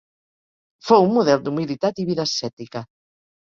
Fou un model d'humilitat i vida ascètica.